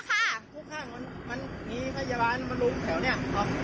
ทั้งข้างมันมีพยาบาลมันลุ้มเที่ยวเนี่ย